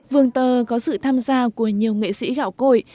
vương tơ có sự tham gia của nhiều nghệ sĩ gạo cội